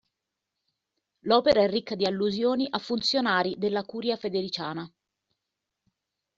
L'opera è ricca di allusioni a funzionari della "Curia federiciana".